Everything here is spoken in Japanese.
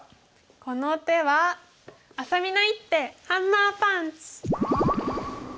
この手はあさみの一手ハンマーパンチ！